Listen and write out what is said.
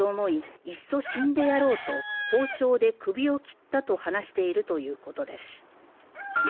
いっそ死んでやろうと包丁で首を切ったと話しているということです。